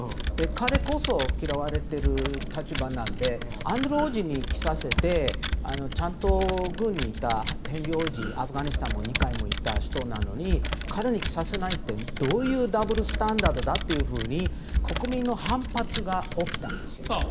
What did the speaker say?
彼こそ、嫌われてる立場なのでアンドリュー王子に着させてちゃんと軍にいたヘンリー王子アフガニスタンも２回も行った人なのに彼に着させないってどういうダブルスタンダードだと国民の反発が起きたんですよ。